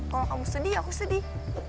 kalau kamu sedih aku sedih